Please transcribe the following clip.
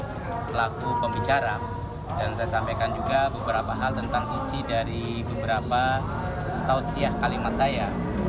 saya selaku pembicara dan saya sampaikan juga beberapa hal tentang isi dari beberapa tausiah kalimat saya